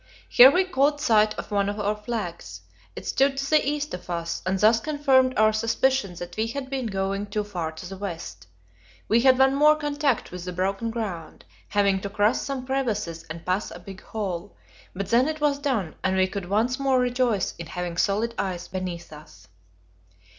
Here we caught sight of one of our flags; it stood to the east of us, and thus confirmed our suspicion that we had been going too far to the west. We had one more contact with the broken ground, having to cross some crevasses and pass a big hole; but then it was done, and we could once more rejoice in having solid ice beneath us.